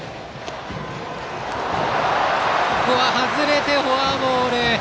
ここは外れてフォアボール。